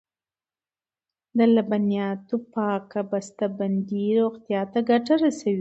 د لبنیاتو پاکه بسته بندي روغتیا ته ګټه رسوي.